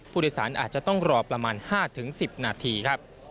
ผู้โดยสารอาจจะต้องรอประมาณ๕๑๐นาทีครับ